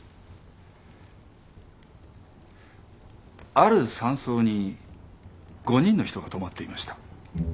ある山荘に５人の人が泊まっていました。